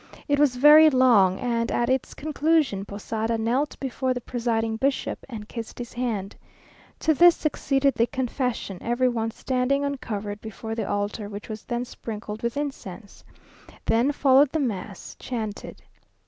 It was very long, and at its conclusion, Posada knelt before the presiding bishop and kissed his hand. To this succeeded the confession, every one standing uncovered before the altar, which was then sprinkled with incense. Then followed the mass, chanted.